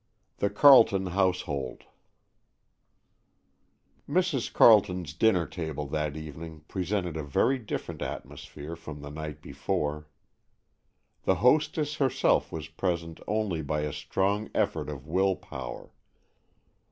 XIV THE CARLETON HOUSEHOLD Mrs. Carleton's dinner table that evening presented a very different atmosphere from the night before. The hostess herself was present only by a strong effort of will power.